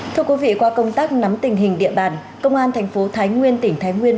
thưa quý vị qua công tác nắm tình hình địa bàn công an tp thái nguyên tỉnh thái nguyên